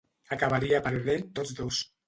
Acabaria perdent tots dos.